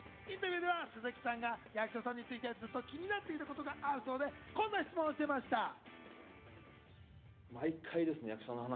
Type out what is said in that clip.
インタビューでは鈴木さんが役所さんについてずっと気になっていたことがあるそうで、こんな質問をしていました。